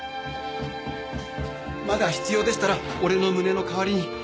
まだ必要でしたら俺の胸の代わりに。